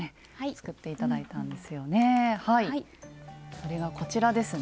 それがこちらですね。